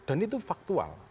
dan itu faktual